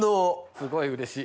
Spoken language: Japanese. すごいうれしい。